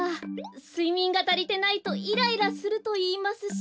すいみんがたりてないとイライラするといいますし。